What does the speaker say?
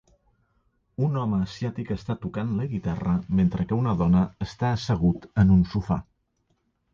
Un home asiàtic està tocant la guitarra, mentre que una dona està assegut en un sofà